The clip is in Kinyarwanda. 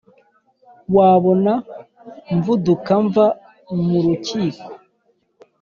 Wabona mvuduka mva mu rukiko